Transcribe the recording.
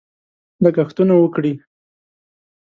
لګښتونه وکړي.